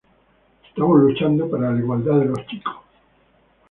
Estamos luchando para la igualdad de los chicos.